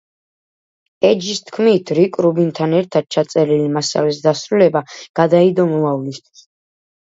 ეჯის თქმით, რიკ რუბინთან ერთად ჩაწერილი მასალის დასრულება გადაიდო მომავლისთვის.